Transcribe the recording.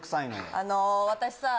あの私さ